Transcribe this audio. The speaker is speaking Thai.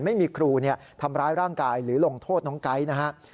ไม่มีครูทำร้ายร่างกายหรือลงโทษน้องไก๊นะฮะ